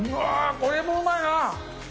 これもうまいな。